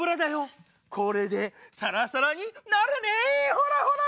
ほらほら！